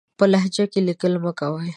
په لهجه کې ليکل مه کوئ!